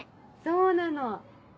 そうなの。